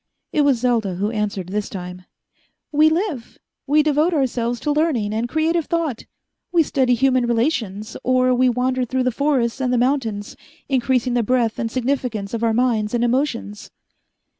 It was Selda who answered this time. "We live. We devote ourselves to learning and creative thought. We study human relations, or we wander through the forests and the mountains, increasing the breadth and significance of our minds and emotions."